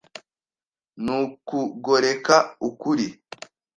Nukugoreka ukuri.